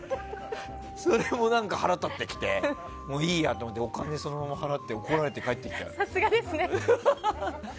それも腹が立ってきてもういいやと思ってお金払って怒られて帰った。